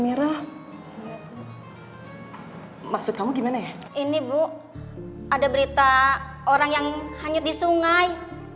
ini bu ada berita orang yang hanyut di sungai